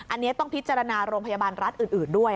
อันนี้ต้องพิจารณาโรงพยาบาลรัฐอื่นด้วย